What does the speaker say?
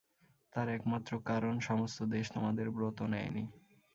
তার একমাত্র কারণ সমস্ত দেশ তোমাদের ব্রত নেয় নি।